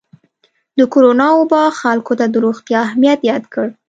د کرونا وبا خلکو ته د روغتیا اهمیت یاد کړ.